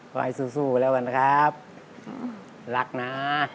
ขอให้สู้กันแล้วครับรักนะ